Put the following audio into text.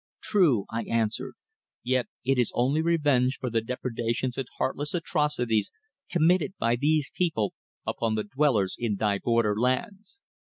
"True," I answered. "Yet it is only revenge for the depredations and heartless atrocities committed by these people upon the dwellers in thy border lands.